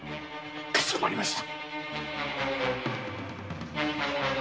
かしこまりました！